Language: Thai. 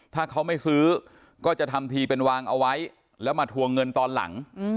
ถ้าเขาไม่ซื้อก็จะทำทีเป็นวางเอาไว้แล้วมาทวงเงินตอนหลัง